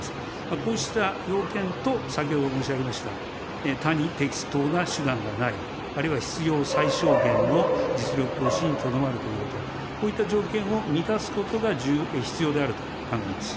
こうした要件と、先ほど申し上げました、他に適当な手段がない、あるいは必要最小限の実力行使にとどまるということ、こういった条件を満たすことが必要であると考えます。